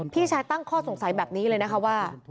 พี่ชายตั้งข้อสงสัยแบบนี้เลยนะคะว่า